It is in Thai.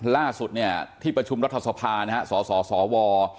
ล่าสุดที่ประชุมรัฐสภาสสสว